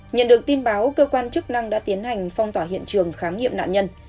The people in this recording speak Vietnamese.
nhận được tin báo cơ quan chức năng đã tiến hành phong tỏa hiện trường khám nghiệm nạn nhân